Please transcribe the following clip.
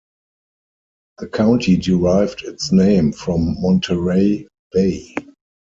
The county derived its name from Monterey Bay.